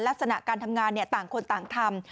ลักษณะการทำงานต่างคนต่างทำ